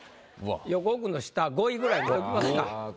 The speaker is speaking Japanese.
横尾君の下５位ぐらいいっときますか。